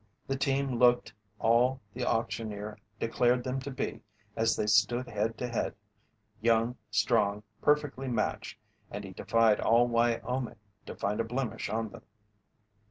The team looked all the auctioneer declared them to be as they stood head to head young, strong, perfectly matched and he defied all Wyoming to find a blemish on them.